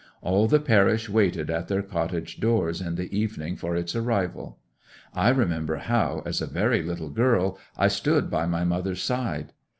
All the parish waited at their cottage doors in the evening for its arrival: I remember how, as a very little girl, I stood by my mother's side.